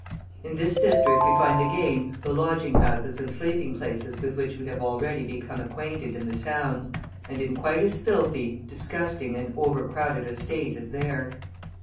In this district we find again the lodging houses and sleeping places with which we have already become acquainted in the towns, and in quite as filthy, disgusting, and overcrowded a state as there.